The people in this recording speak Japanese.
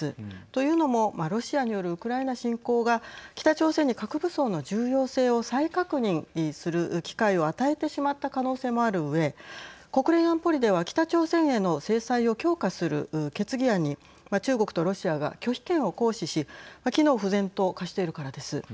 というのもロシアによるウクライナ侵攻が北朝鮮に核武装の重要性を再確認する機会を与えてしまった可能性もあるうえ国連安保理では北朝鮮への制裁を強化する決議案に中国とロシアが拒否権を行使し機能不全と化しているからです。